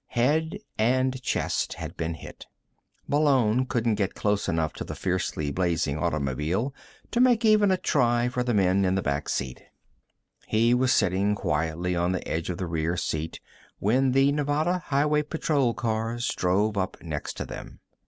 Head and chest had been hit. Malone couldn't get close enough to the fiercely blazing automobile to make even a try for the men in the back seat. He was sitting quietly on the edge of the rear seat when the Nevada Highway Patrol cars drove up next to them.